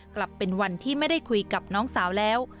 กลับเป็นวันที่ไม่ได้คุยกับน้องสาวแล้ว